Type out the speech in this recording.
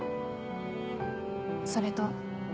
それと。